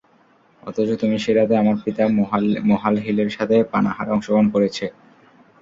অথচ তুমি সে রাতে আমার পিতা মুহালহিলের সাথে পানাহারে অংশগ্রহণ করেছে।